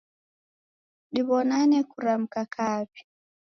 Diw'onane kiramka kaw'i.